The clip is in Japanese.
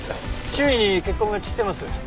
周囲に血痕が散ってます。